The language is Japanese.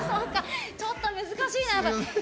ちょっと難しいな。